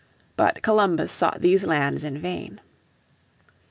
But Columbus sought these lands in vain.